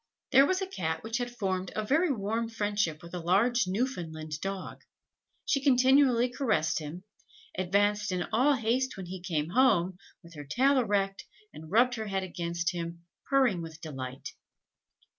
_] There was a Cat which had formed a very warm friendship with a large Newfoundland dog: she continually caressed him advanced in all haste when he came home, with her tail erect, and rubbed her head against him, purring with delight.